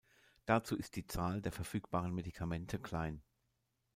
Dazu ist die Zahl der verfügbaren Medikamente klein.